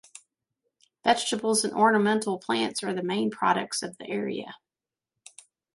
Vegetables and ornamental plants are the main products of the area.